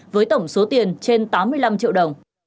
với tổng số tiền trên tám mươi năm triệu đồng